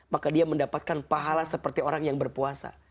maka dia mendapatkan pahala seperti orang yang berpuasa